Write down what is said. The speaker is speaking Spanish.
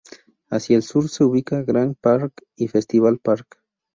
Hacia el sur se ubica Grange Park y Festival Park.